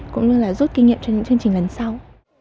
cũng như là rút kinh nghiệm cho những chương trình lần sau